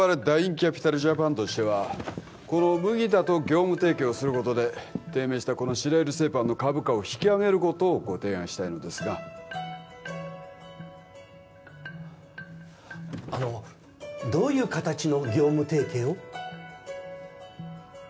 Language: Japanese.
ダインキャピタル・ジャパンとしてはこの麦田と業務提携をすることで低迷したこの白百合製パンの株価を引き上げることをご提案したいのですがあのどういう形の業務提携を？